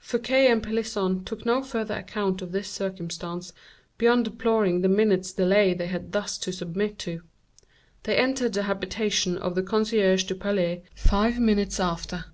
Fouquet and Pelisson took no further account of this circumstance beyond deploring the minute's delay they had thus to submit to. They entered the habitation of the concierge du Palais five minutes after.